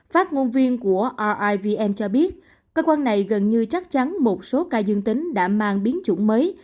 phát ngôn viên của rivm cho biết cơ quan này gần như chắc chắn một số ca dương tính đã mang biến chủng mới